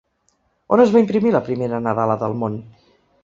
On es va imprimir la primera nadala del món?